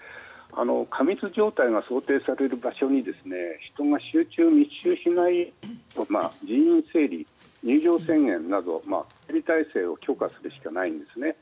過密状態が想定される場所に人が集中・密集しないような人員整理、入場制限などの管理を強化するしかないんですね。